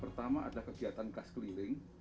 pertama ada kegiatan kas keliling